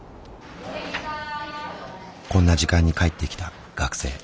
こんな時間に帰ってきた学生。